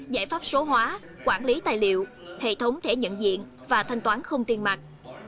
giải pháp số hóa quản lý tài liệu hệ thống thể nhận diện và thanh toán không tiên mặt